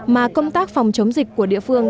mà công tác phòng chống dịch của địa phương